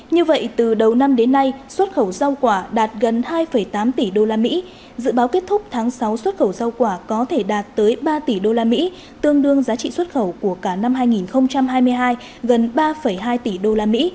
như vậy từ đầu năm đến nay xuất khẩu rau quả đạt gần hai tám tỷ usd dự báo kết thúc tháng sáu xuất khẩu rau quả có thể đạt tới ba tỷ usd tương đương giá trị xuất khẩu của cả năm hai nghìn hai mươi hai gần ba hai tỷ usd